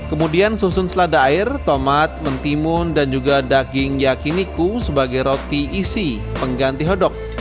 kemudian susun selada air tomat mentimun dan juga daging yakiniku sebagai roti isi pengganti hodok